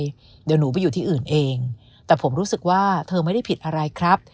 เดี๋ยวหนูไปอยู่ที่อื่นเองแต่ผมรู้สึกว่าเธอไม่ได้ผิดอะไรครับ